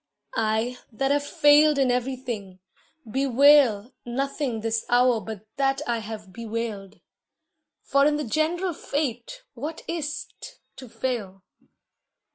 I, that have failed in everything, bewail Nothing this hour but that I have bewailed, For in the general fate what is't to fail?